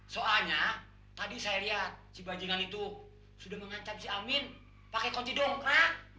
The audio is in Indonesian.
soalnya tadi saya lihat si bajingan itu sudah mengancam si amin pakai kunci dong kak